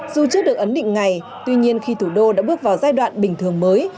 dù chưa được ấn định ngày tuy nhiên khi thủ đô đã bước vào giai đoạn bình thường mới